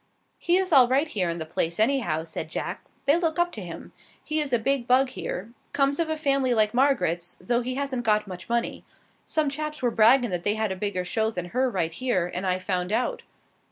"He is all right here in the place, anyhow," said Jack. "They look up to him. He is a big bug here. Comes of a family like Margaret's, though he hasn't got much money. Some chaps were braggin' that they had a bigger show than her right here, and I found out."